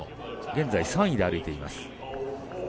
現在、３位で歩いています。